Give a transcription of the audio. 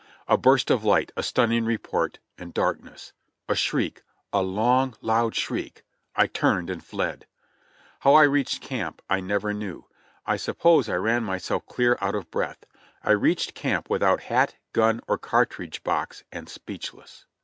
A burst of light — a stunning report — and darkness ! A shriek ! A long, loud shriek ! I turned and fled ! How I reached camp I never knew. I suppose I ran myself clear out of breath. I reached camp without hat, gun, or cartridge box, and speechless.